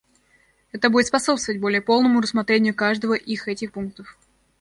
Это будет способствовать более полному рассмотрению каждого их этих пунктов.